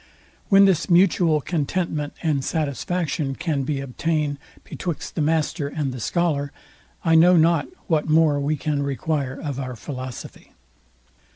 When this mutual contentment and satisfaction can be obtained betwixt the master and scholar, I know not what more we can require of our philosophy.